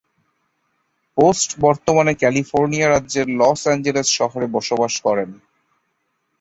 Post বর্তমানে, California রাজ্যের Los Angeles শহরে বসবাস করেন।